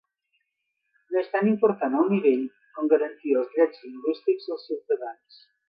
No és tan important el nivell com garantir els drets lingüístics dels ciutadans.